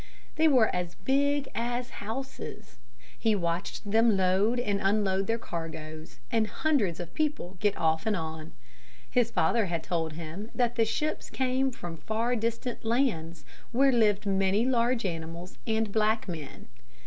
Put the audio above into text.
They were as big as houses. He watched them load and unload their cargoes and hundreds of people get off and on. His father had told him that the ships came from far distant lands, where lived many large animals and black men.